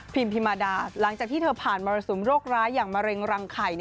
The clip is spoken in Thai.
พิมมาดาหลังจากที่เธอผ่านมรสุมโรคร้ายอย่างมะเร็งรังไข่